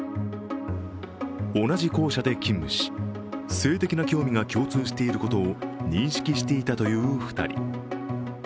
同じ校舎で勤務し、性的な興味が共通していることを認識していたという２人。